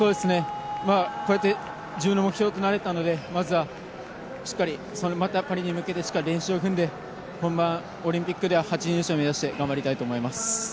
こうやって自分の目標となれたのでしっかりパリに向けてしっかり練習を踏んで本番、オリンピックでは８位入賞を目指して頑張りたいと思います。